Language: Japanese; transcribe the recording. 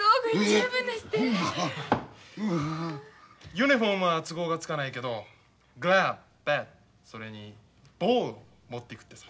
ユニフォームは都合がつかないけどグラブバットそれにボール持っていくってさ。